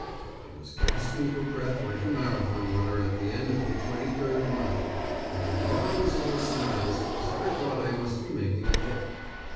I was gasping for breath like a marathon runner at the end of the twenty third mile, but your Ma was all smiles so I thought I must be making a hit.